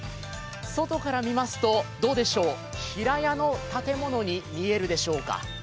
外から見ますと、どうでしょう平屋の建物に見えるでしょうか。